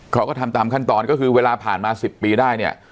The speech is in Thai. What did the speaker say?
เขาก็ทำตามขั้นตอนก็คือเวลาผ่านมา๑๐ปีได้เนี่ย